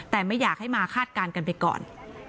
แต่ไม่อยากให้มาคาดการณ์กันไปก่อน